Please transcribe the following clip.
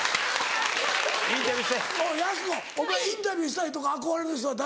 おいやす子インタビューしたいとか憧れの人は誰よ。